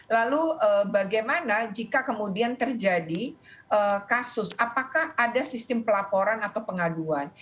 lalu bagaimana jika kemudian terjadi kasus apakah ada sistem pelaporan atau pengaduan